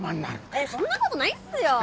えっそんな事ないっすよ！